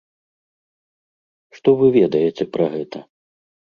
Што вы ведаеце пра гэта?